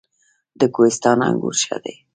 د کوهستان انګور ښه دي